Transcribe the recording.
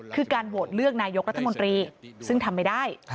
คือการโหวตเลือกนายกรัฐมนตรีซึ่งทำไม่ได้